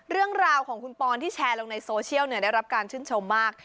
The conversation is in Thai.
เรื่องราวของคุณปอนที่แชร์ลงในโซเชียลได้รับการชื่นชมมาก